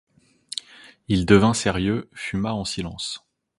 Il devint sérieux, fuma en silence.